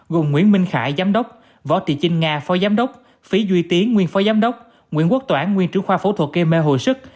gồm nguyễn minh khải giám đốc võ thị trinh nga phó giám đốc phí duy tiến nguyễn phó giám đốc nguyễn quốc toản nguyên trưởng khoa phẫu thuật km hồ sức